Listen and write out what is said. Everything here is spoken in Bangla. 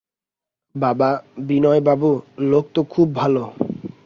বাবা, বিনয়বাবু লোক তো খুব ভালো।